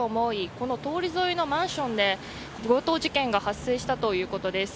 この通り沿いのマンションで強盗事件が発生したということです。